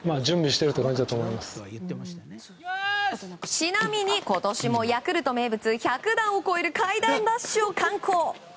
ちなみに今年もヤクルト名物１００段を超える階段ダッシュを敢行。